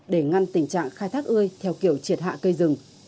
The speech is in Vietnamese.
để ngăn tình trạng khai thác ươi theo kiểu triệt hạ cây rừng